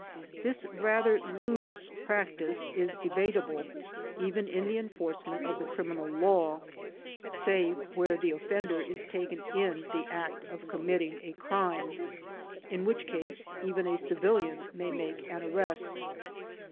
This rather loose practice is de batable even in the enforcement of the criminal law, save where the offender is taken in the act of committing a 26 THE DEPORTATION CASES crime, in which case even a civUian may make an arrest.